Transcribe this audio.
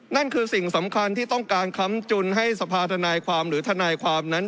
นั่นคือสิ่งสำคัญที่ต้องการค้ำจุนให้สภาธนายความหรือทนายความนั้น